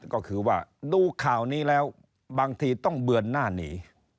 ก็คือว่าดูข่าวนี้แล้วบางทีต้องเบือนหน้าหนี